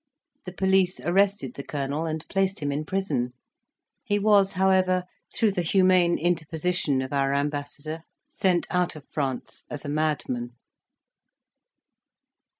The police arrested the colonel, and placed him in prison; he was, however, through the humane interposition of our ambassador, sent out of France as a madman.